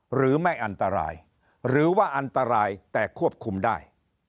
หรือไม่อันตรายหรือว่าอันตรายแต่ควบคุมได้